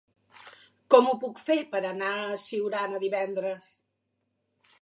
Com ho puc fer per anar a Siurana divendres?